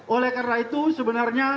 oleh karena itu sebenarnya